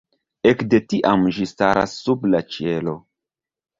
Ekde tiam ĝi staras sub la ĉielo.